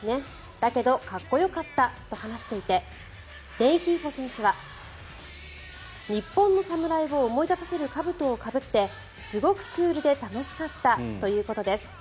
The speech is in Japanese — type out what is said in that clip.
だけど、かっこよかったと話していてレンヒーフォ選手は日本の侍を思い出させるかぶとをかぶってすごくクールで楽しかったということです。